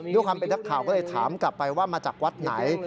ด้วยความเป็นนักข่าวก็เลยถามกลับไปว่ามาจากวัดไหน